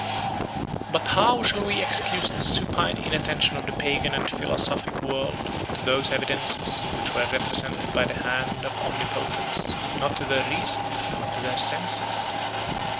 ] But how shall we excuse the supine inattention of the Pagan and philosophic world, to those evidences which were represented by the hand of Omnipotence, not to their reason, but to their senses?